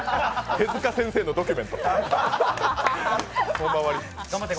手塚先生のドキュメント。